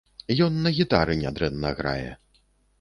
Ён на гітары нядрэнна грае.